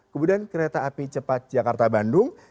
kemudian kereta api cepat jakarta bandung